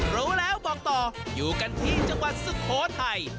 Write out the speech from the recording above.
รู้แล้วบอกต่ออยู่กันที่จังหวัดสุโขทัย